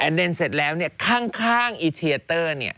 แล้วเสร็จแล้วข้างอีเทียเตอร์